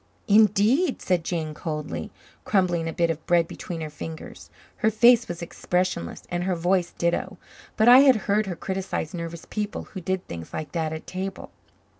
"Indeed?" said Jane coldly, crumbling a bit of bread between her fingers. Her face was expressionless and her voice ditto; but I had heard her criticize nervous people who did things like that at table.